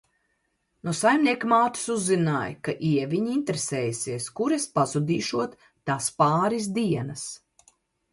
"No saimniekmātes uzzināju, ka Ieviņa interesējusies kur es "pazudīšot" tās pāris dienas."